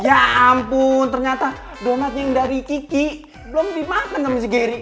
ya ampun ternyata donat yang dari kiki belum dimakan sama si gary